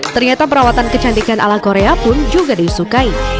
ternyata perawatan kecantikan ala korea pun juga disukai